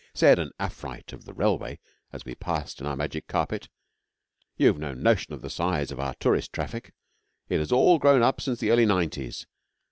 Said an Afrite of the Railway as we passed in our magic carpet: 'You've no notion of the size of our tourist traffic. It has all grown up since the early 'Nineties.